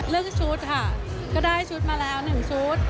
ชุดค่ะก็ได้ชุดมาแล้ว๑ชุด